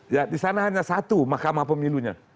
ya disana hanya satu mahkamah pemilunya